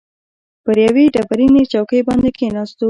پر یوې ډبرینې چوکۍ باندې کښېناستو.